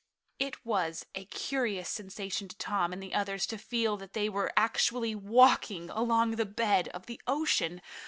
It was a curious sensation to Tom and the others to feel that they were actually walking along the bed of the ocean.